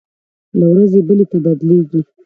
له ورځې بلې ته بدلېږي.